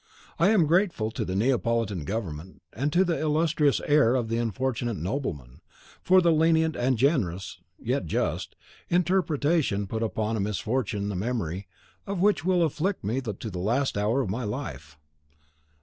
I am grateful to the Neapolitan government, and to the illustrious heir of the unfortunate nobleman, for the lenient and generous, yet just, interpretation put upon a misfortune the memory of which will afflict me to the last hour of my life.